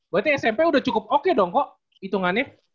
berarti smp udah cukup oke dong kok hitungannya